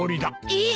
えっ！？